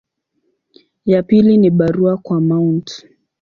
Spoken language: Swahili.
Ya pili ni barua kwa Mt.